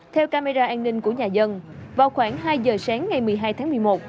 theo camera an ninh của nhà dân vào khoảng hai giờ sáng ngày một mươi hai tháng một mươi một